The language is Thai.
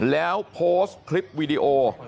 แล้วโพสต์คลิปวิดีโอ